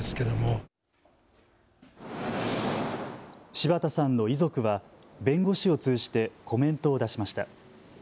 柴田さんの遺族は弁護士を通じてコメントを出しました。